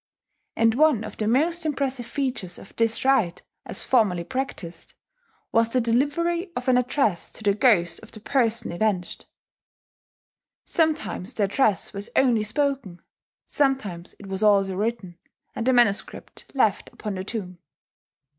And one of the most impressive features of this rite, as formerly practised, was the delivery of an address to the ghost of the person avenged. Sometimes the address was only spoken; sometimes it was also written, and the manuscript left upon the tomb.